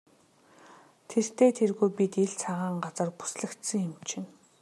Тэртэй тэргүй бид ил цагаан газар бүслэгдсэн юм чинь.